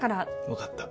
分かった。